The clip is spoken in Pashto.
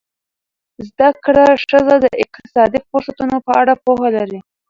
زده کړه ښځه د اقتصادي فرصتونو په اړه پوهه لري.